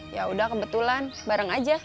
yaudah kebetulan bareng aja